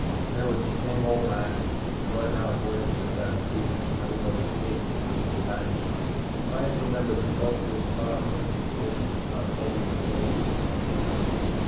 There was the same old racket. The burnt out voice of a chanteuse, coming over the PA system from the dining room, tried to remember the sultry insouciance with which it had sung "Eadie was a Lady" in its youth.